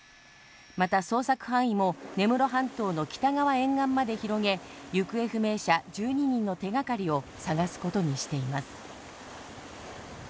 また、捜索範囲も根室半島の北側沿岸まで広げ、行方不明者１２人の手がかりを探すことにしています。